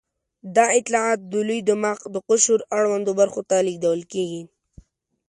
دا اطلاعات د لوی دماغ د قشر اړوندو برخو ته لېږدول کېږي.